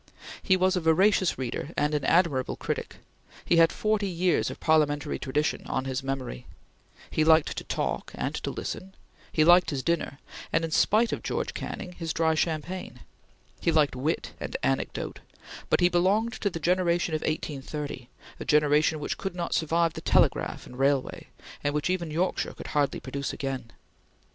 He was a voracious reader and an admirable critic; he had forty years of parliamentary tradition on his memory; he liked to talk and to listen; he liked his dinner and, in spite of George Canning, his dry champagne; he liked wit and anecdote; but he belonged to the generation of 1830, a generation which could not survive the telegraph and railway, and which even Yorkshire could hardly produce again.